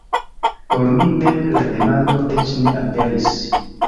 Por mi mem la demando eĉ ne aperis.